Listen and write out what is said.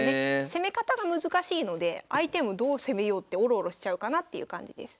攻め方が難しいので相手もどう攻めようってオロオロしちゃうかなっていう感じです。